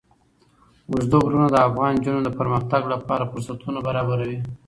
اوږده غرونه د افغان نجونو د پرمختګ لپاره فرصتونه برابروي.